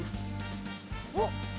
おっ。